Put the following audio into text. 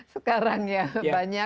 sekarang ya banyak